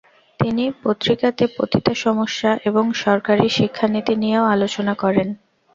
তিনি পত্রিকাতে পতিতা সমস্যা এবং সরকারী শিক্ষানীতি নিয়েও আলোচনা করেন ।